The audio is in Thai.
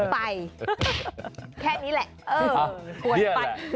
ไปแค่นี้แหละ